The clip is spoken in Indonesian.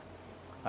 hanya persoalannya ya